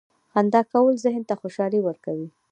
• خندا کول ذهن ته خوشحالي ورکوي.